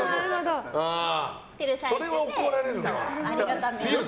それは怒られるわ。